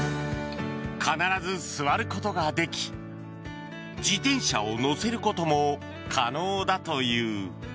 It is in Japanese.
必ず座ることができ自転車を載せることも可能だという。